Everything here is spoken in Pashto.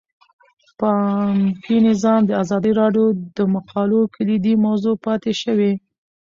بانکي نظام د ازادي راډیو د مقالو کلیدي موضوع پاتې شوی.